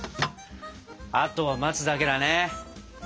あとは待つだけだね。